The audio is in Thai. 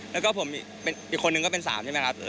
แล้วก็ผมอีกคนนึงก็เป็น๓ใช่ไหมครับ